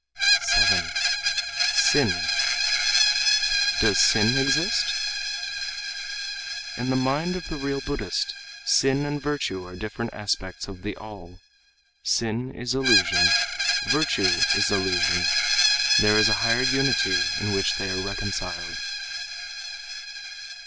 '" 7. Sin "Does sin exist?" "In the mind of the real Buddhist sin and virtue are different aspects of the all. Sin is illusion; virtue is illusion, There is a higher unity in which they are reconciled."